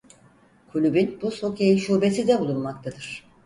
Kulübün buz hokeyi şubesi de bulunmaktadır.